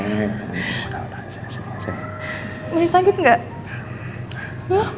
nggak ada sakit gak